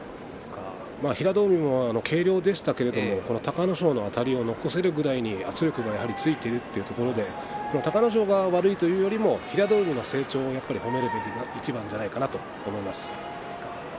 平戸海も軽量でしたけれども隆の勝のあたりを残せるぐらいに圧力がついているというところで隆の勝が悪いというよりも平戸海の成長を褒めるのがいちばんじゃないかなと思います。